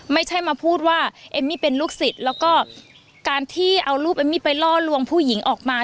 ไม่ใช่มาพูดว่าเอมมี่เป็นลูกศิษย์แล้วก็การที่เอารูปเอมมี่ไปล่อลวงผู้หญิงออกมา